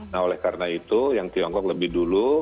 nah oleh karena itu yang tiongkok lebih dulu